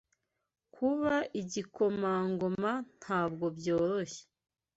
Kuba igikomangoma ntabwo byoroshye.